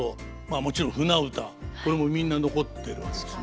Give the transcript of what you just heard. もちろん舟唄これもみんな残ってるわけですね。